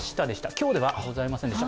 今日ではございませんでした。